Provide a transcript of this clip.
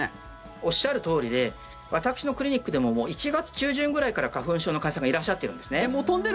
おっしゃるとおりで私のクリニックでももう１月中旬ぐらいから花粉症の患者さんがもう飛んでる？